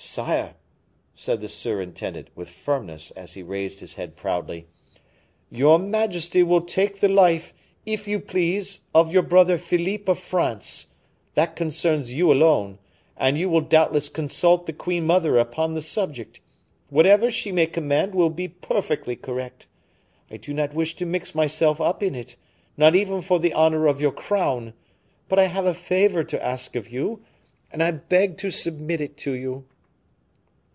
"Sire," said the surintendant, with firmness, as he raised his head proudly, "your majesty will take the life, if you please, of your brother Philippe of France; that concerns you alone, and you will doubtless consult the queen mother upon the subject. Whatever she may command will be perfectly correct. I do not wish to mix myself up in it, not even for the honor of your crown, but I have a favor to ask of you, and I beg to submit it to you."